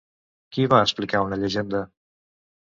Qui va explicar una llegenda?